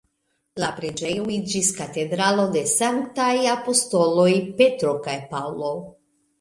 La preĝejo iĝis Katedralo de sanktaj apostoloj Petro kaj Paŭlo.